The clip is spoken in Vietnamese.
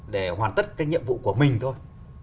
để hoàn tất cái nhiệm vụ của mình thôi